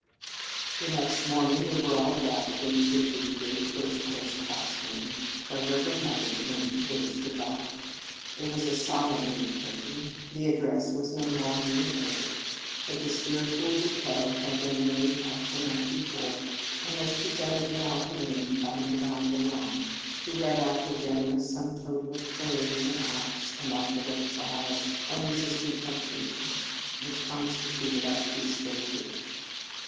The next morning we were all ga thered into the big First Cours class room, where Reverend Mother came to bid us good by. It was a solemn leave taking. The address was no longer in order; but the spiritual bouquet had been made up the night before, and was presented in our name by Madame Bouron, who read out the generous sum total of prayers, and acts, and offered up trials, and resisted temptations, which consti tuted our feast day gift.